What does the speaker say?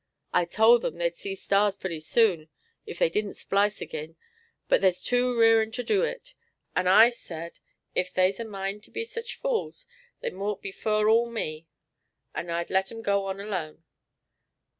I tole 'em they'd see stars purty soon, if they didn't splice agin, but they's too rearin' to do it, and I said if they's a mind to be sich fools, they mought be fur all me, and I'd let 'em go on alone.